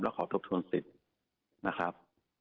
ขอทบทวนสิทธิ์นะครับ